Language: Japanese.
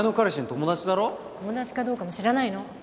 友達かどうかも知らないの。